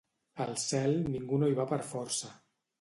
Al cel ningú no hi va per força.